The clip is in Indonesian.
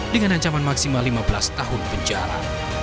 dengan ancaman maksimal lima belas tahun penjara